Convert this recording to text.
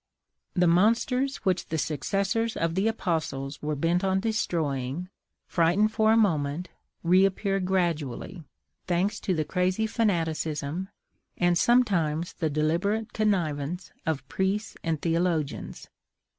The monsters which the successors of the apostles were bent on destroying, frightened for a moment, reappeared gradually, thanks to the crazy fanaticism, and sometimes the deliberate connivance, of priests and theologians.